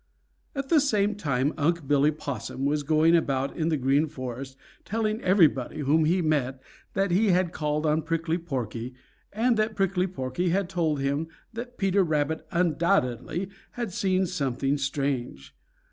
At the same time Unc' Billy Possum was going about in the Green Forest telling everybody whom he met that he had called on Prickly Porky, and that Prickly Porky had told him that Peter Rabbit undoubtedly had seen something strange.